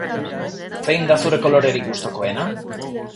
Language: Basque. Zein da zure kolorerik gustokoena?